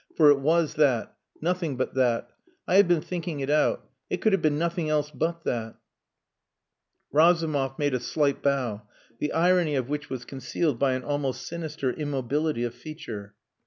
for it was that nothing but that! I have been thinking it out. It could have been nothing else but that." Razumov made a slight bow, the irony of which was concealed by an almost sinister immobility of feature.